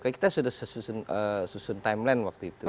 kita sudah susun timeline waktu itu